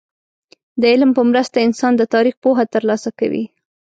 د علم په مرسته انسان د تاريخ پوهه ترلاسه کوي.